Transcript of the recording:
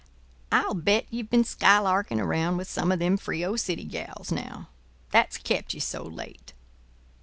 I'll bet ye've been skylarking around with some of them Frio City gals, now, that's kept ye so late."